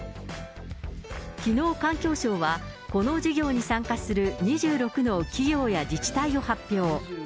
きのう環境省は、この事業に参加する２６の企業や自治体を発表。